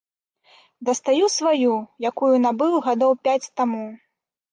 Дастаю сваю, якую набыў гадоў пяць таму.